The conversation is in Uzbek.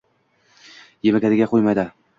Yemaganiga qoʻymadi